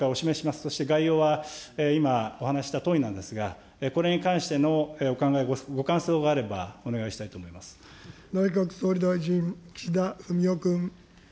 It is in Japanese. そして概要は今、お話ししたとおりなんですが、これに関してのお考え、ご感想があればお願いした内閣総理大臣、岸田文雄君。